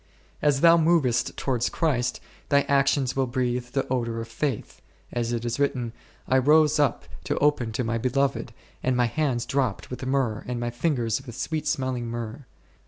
As thou movest towards Christ, thy actions will breathe the odour of faith, as it is written, / rose up to open to my Beloved, and my hands dropped with myrrh and my fingers with sweet smelling myrrh.